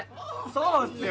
そうっすよ